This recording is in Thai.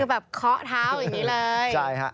คือแบบเคาะเท้าอย่างนี้เลย